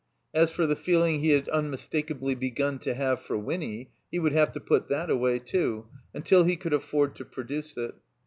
As for the feeling he had unmistakably begun to have for Winny, he would have to put that away, too, until he could afford to produce it.